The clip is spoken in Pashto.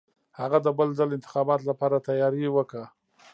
هغه د بل ځل انتخاباتو لپاره تیاری وکه.